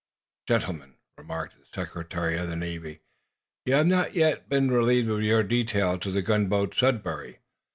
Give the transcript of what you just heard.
"Gentlemen," remarked the Secretary of the Navy, "you have not yet been relieved of your detail to the gunboat 'Sudbury.'"